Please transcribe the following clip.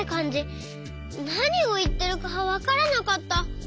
なにをいってるかわからなかった。